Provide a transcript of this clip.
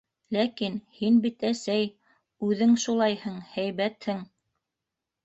Ләкин, һин бит, әсәй, үҙең шулайһың. һәйбәтһең.